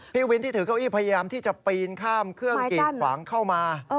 พี่วินที่ถือเก้าอี้พยายามที่จะปีนข้ามเครื่องกีดขวางเข้ามา